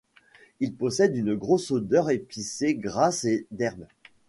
Il possède une forte odeur épicée, grasse et d'herbe.